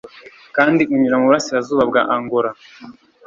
kandi unyura mu burasirazuba bwa angola